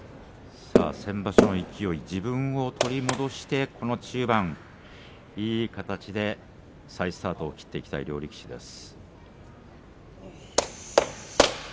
先場所の勢い自分を取り戻してこの中盤いい形で再スタートを切りたい両力士です。